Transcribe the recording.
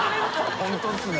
本当ですね。